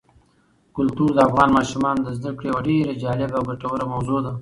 کلتور د افغان ماشومانو د زده کړې یوه ډېره جالبه او ګټوره موضوع ده.